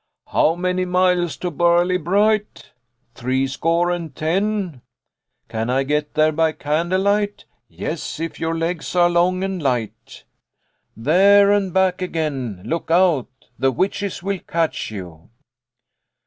" How many miles to Barley bright ? w " Three score and ten ! n " Can I get there by candle light ?"" Ye Sj if your legs are long and light There and back again / Look out / The witches will catch you